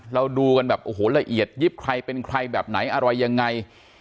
เราดูกันแบบโอ้โหละเอียดยิบใครเป็นใครแบบไหนอะไรยังไง